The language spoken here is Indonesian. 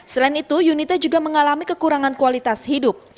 selain itu yunita juga mengalami kekurangan kualitas hidup